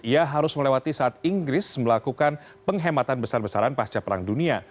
ia harus melewati saat inggris melakukan penghematan besar besaran pasca perang dunia